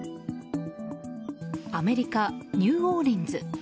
アメリカ・ニューオーリンズ。